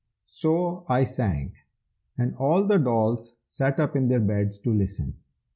So I sang, and all the dolls sat up in their beds to listen.